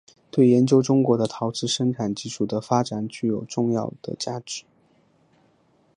对研究中国的陶瓷生产技术的发展具有重要的价值。